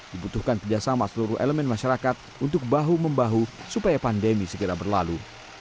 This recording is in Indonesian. dibutuhkan kerjasama seluruh elemen masyarakat untuk bahu membahu supaya pandemi segera berlalu